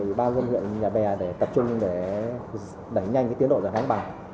ủy ban dân huyện nhà bè để tập trung để đẩy nhanh tiến độ giải phóng mặt bằng